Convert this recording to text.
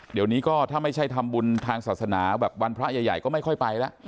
เดี๋ยวนี้ก็ถ้าไม่ใช่ทำบุญทางศาสนาแบบวันพระใหญ่ก็ไม่ค่อยไปแล้ว